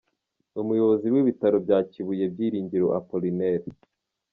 Umuyobozi w’ibitaro bya Kibuye Byiringiro Appolinaire.